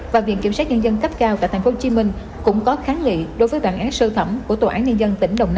và viện kiểm sát nhân dân cấp cao tại tp hcm cũng có kháng nghị đối với bản án sơ thẩm của tòa án nhân dân tỉnh đồng nai